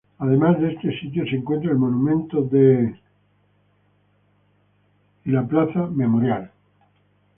Además, en este sitio se encuentra el Monumento de los y Plaza Memorial.